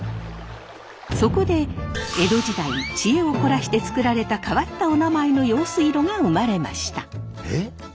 そこで江戸時代知恵を凝らして作られた変わったおなまえの用水路が生まれました。